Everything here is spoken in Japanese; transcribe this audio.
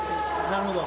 なるほど。